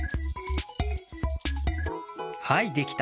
はいできた。